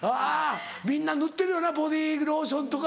みんな塗ってるよなボディーローションとか。